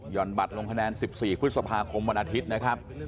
่อนบัตรลงคะแนน๑๔พฤษภาคมวันอาทิตย์นะครับ